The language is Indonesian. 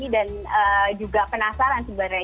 dan juga penasaran sebenarnya